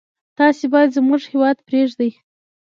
تاسي باید زموږ هیواد پرېږدی.